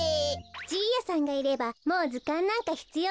じいやさんがいればもうずかんなんかひつようないわね。